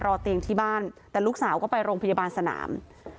เตียงที่บ้านแต่ลูกสาวก็ไปโรงพยาบาลสนาม